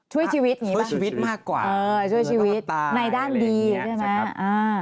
ช่วยชีวิตอย่างนี้หรือเปล่าช่วยชีวิตมากกว่ามันก็ตาในด้านดีใช่ไหม